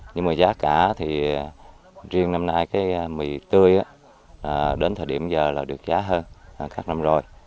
nhưng mà giá cả thì riêng năm nay cái mì tươi đến thời điểm giờ là được giá hơn các năm rồi